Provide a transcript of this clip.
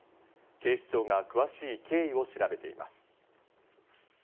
警視庁が詳しい経緯を調べています。